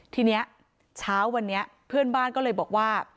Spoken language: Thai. ทีนี้เช้าวันนี้เพื่อนบ้านก็เลยบอกว่า